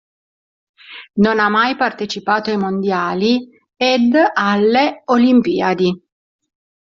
Non ha mai partecipato ai Mondiali ed alle Olimpiadi.